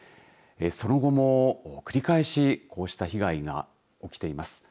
その後も繰り返しこうした被害が起きています。